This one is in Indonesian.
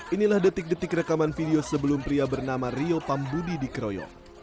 inilah detik detik rekaman video sebelum pria bernama rio pambudi dikeroyok